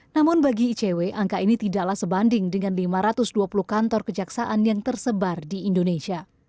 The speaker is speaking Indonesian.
namun bagi icw angka ini tidaklah sebanding dengan lima ratus dua puluh kantor kejaksaan yang tersebar di indonesia